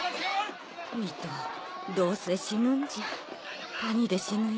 ミトどうせ死ぬんじゃ谷で死ぬよ。